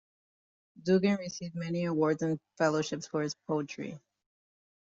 Dugan received many awards and fellowships for his poetry.